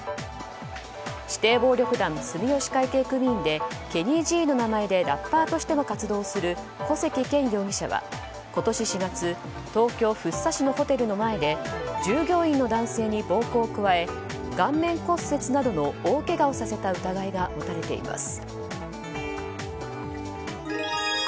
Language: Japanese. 指定暴力団住吉会系組員でＫＥＮＮＹ‐Ｇの名前でラッパーとしても活動する古関健容疑者は今年４月東京・福生市のホテルの前で従業員の男性に暴行を加え顔面骨折などの大けがをさせた疑いが持たれています。